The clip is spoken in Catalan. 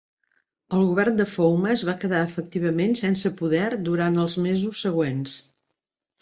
El govern de Phouma es va quedar efectivament sense poder durant els mesos següents.